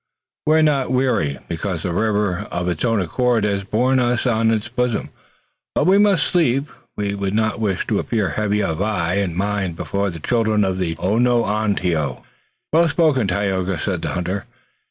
"We are not weary, because the river, of its own accord, has borne us on its bosom, but we must sleep. We would not wish to appear heavy of eye and mind before the children of Onontio." "Well spoken, Tayoga," said the hunter.